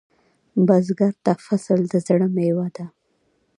بزګر ته فصل د زړۀ میوه ده